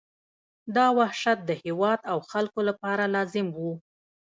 دا وحشت د هېواد او خلکو لپاره لازم وو.